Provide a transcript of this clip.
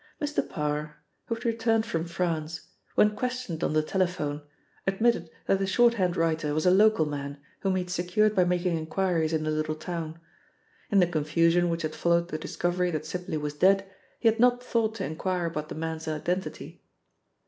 Mr. Parr (who had returned from France) when questioned on the telephone, admitted that the shorthand writer was a local man whom he had secured by making enquiries in the little town. In the confusion which had followed the discovery that Sibly was dead, he had not thought to enquire about the man's identity.